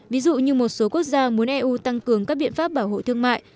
ví dụ như một số quốc gia muốn eu tăng cường các biện pháp bảo hộ thương mại